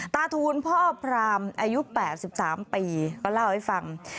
ตาทูลพ่อพระรามอายุแปดสิบสามปีก็เล่าให้ฟัง